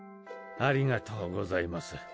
ありがとうございます。